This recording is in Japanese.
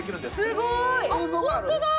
すごい。